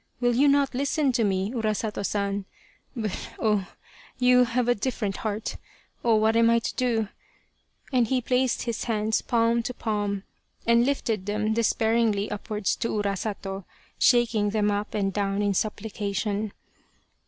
Will you not listen to me Urasato San ? but oh ! you have a different heart oh ! what am I to do ?" and he placed his hands palm to palm and lifted them despairingly upwards to Urasato, shaking them up and down in supplication.